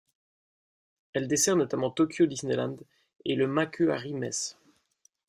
Elle dessert notamment Tokyo Disneyland et le Makuhari Messe.